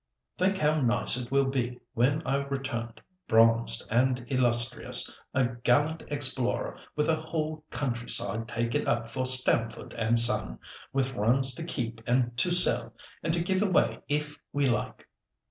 Think how nice it will be when I return bronzed, and illustrious, a gallant explorer with a whole country side taken up for 'Stamford and Son,' with runs to keep and to sell, and to give away if we like."